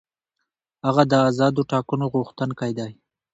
هغه د آزادو ټاکنو غوښتونکی دی.